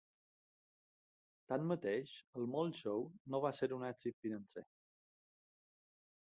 Tanmateix, el Mole Show no va ser un èxit financer.